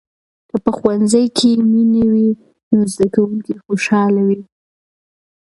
که په ښوونځي کې مینه وي، نو زده کوونکي خوشحال وي.